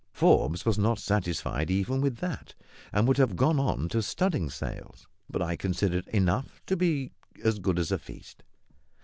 Forbes was not satisfied even with that, and would have gone on to studding sails; but I considered enough to be as good as a feast.